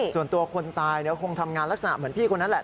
ส่วนตัวคนตายเดี๋ยวคงทำงานลักษณะเหมือนพี่คนนั้นแหละ